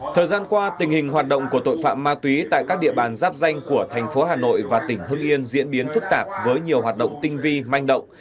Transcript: thời gian qua tình hình hoạt động của tội phạm ma túy tại các địa bàn giáp danh của thành phố hà nội và tỉnh hưng yên diễn biến phức tạp với nhiều hoạt động tinh vi manh động